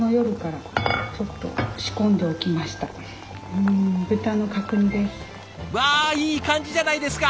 うわいい感じじゃないですか。